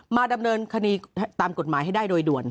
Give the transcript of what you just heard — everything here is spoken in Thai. มาดำเนินคดีตามกฎหมายให้ได้โดยด่วน